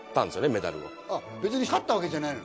メダルを別に勝ったわけじゃないのね？